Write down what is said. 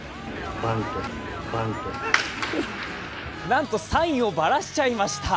なんとサインをばらしちゃいました。